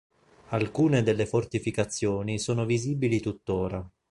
Alcune delle fortificazioni sono visibili tuttora.